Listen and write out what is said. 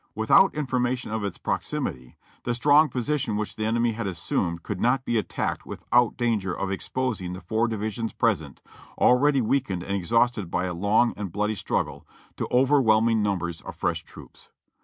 ''Without information of its proximity, the strong position which the enemy had assumed could not be attacked without danger of exposing the four divisions present, already weakened and exhausted by a long and bloody struggle, to overwhelming numbers of fresh troops.